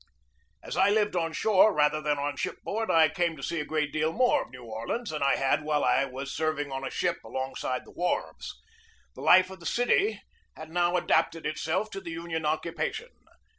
As I lived on shore rather than on shipboard, I came to see a great deal more of New Orleans than I had while I was serving on a ship alongside the wharves. The life of the city had now adapted itself to the Union occupation.